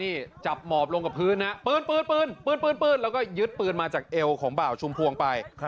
นี่จับหมอบลงกับพื้นนะปืนปืนแล้วก็ยึดปืนมาจากเอวของบ่าวชุมพวงไป